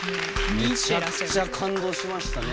めちゃめちゃ感動しました。